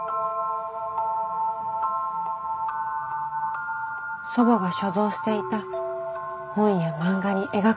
祖母が所蔵していた本や漫画に描かれていた世界。